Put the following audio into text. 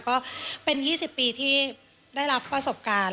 ก็เป็น๒๐ปีที่ได้รับประสบการณ์